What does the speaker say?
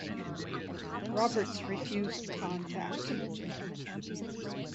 Roberts refused contact.